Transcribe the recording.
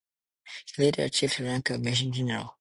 He later achieved the rank of major general.